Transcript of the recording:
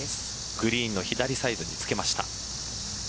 グリーンの左サイドにつけました。